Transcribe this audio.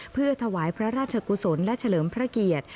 เพื่อถวายพระราชกุศลและเฉลิมพระเกียรติ